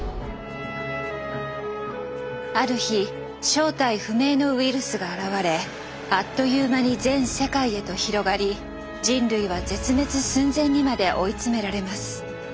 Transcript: ある日正体不明のウイルスが現れあっという間に全世界へと広がり人類は絶滅寸前にまで追い詰められます。